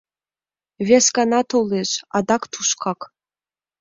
Вес гана толеш — адак тушкак.